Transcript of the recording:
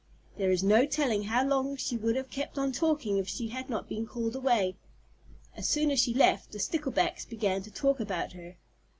There is no telling how long she would have kept on talking if she had not been called away. As soon as she left, the Sticklebacks began to talk about her.